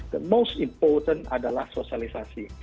yang paling penting adalah sosialisasi